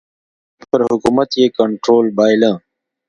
پر حکومت یې کنټرول بایله.